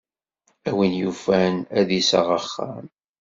A win yufan, ad d-iseɣ axxam.